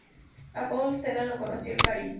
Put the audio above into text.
A Paul Celan lo conoció en París.